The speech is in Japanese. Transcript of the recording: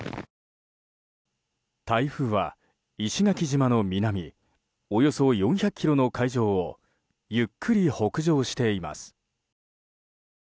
台風は、石垣島の南およそ４００ｋｍの海上をゆっくり北上しています。